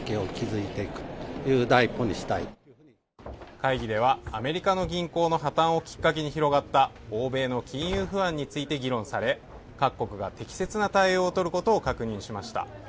会議ではアメリカの銀行の破綻をきっかけに広がった欧米の金融不安について議論され、各国が適切な対応を取ることを確認しました。